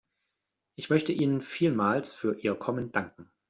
Ich möchte ihnen vielmals für ihr Kommen danken.